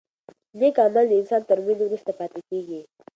نېک عمل د انسان تر مړینې وروسته پاتې کېږي.